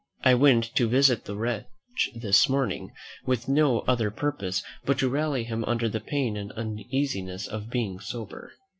I went to visit the wretch this morning, with no other purpose but to rally him under the pain and uneasiness of being sober.